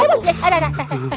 aduh aduh aduh